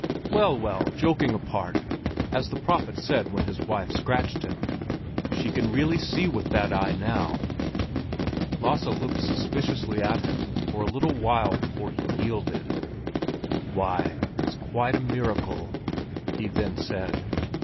"Well, well, joking apart, as the prophet said when his wife scratched him—she can really see with that eye now." Lasse looked suspiciously at him for a little while before he yielded. "Why, it's quite a miracle!" he then said.